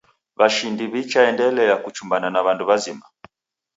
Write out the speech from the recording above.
Washindi wichaendelea kuchumbana na wandu wazima